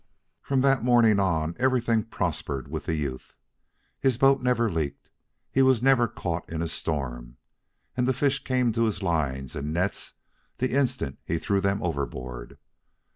From that morning on, everything prospered with the youth. His boat never leaked, he was never caught in a storm, and the fish came to his lines and nets the instant he threw them overboard.